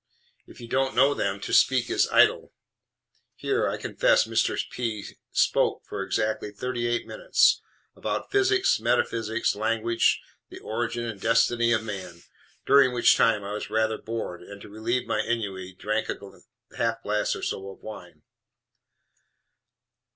If you don't know them, to speak is idle." (Here I confess Mr. P. spoke for exactly thirty eight minutes, about physics, metaphysics, language, the origin and destiny of man, during which time I was rather bored, and to relieve my ennui, drank a half glass or so of wine.)